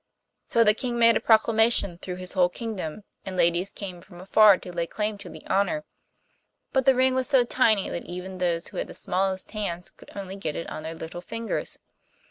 So the King made a proclamation through his whole kingdom and ladies came from afar to lay claim to the honour. But the ring was so tiny that even those who had the smallest hands could only get it on their little fingers.